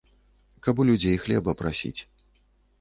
Каб у людзей хлеба прасіць.